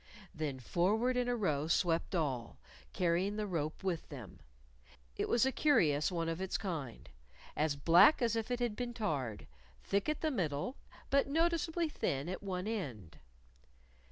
Then forward in a row swept all, carrying the rope with them. It was a curious one of its kind as black as if it had been tarred, thick at the middle, but noticeably thin at one end.